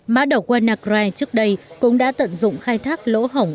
mã độc wanagrai trước đây cũng đã tận dụng khai thác lỗ hổng